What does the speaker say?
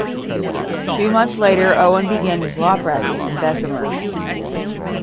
Two months later Owen began his law practice in Bessemer.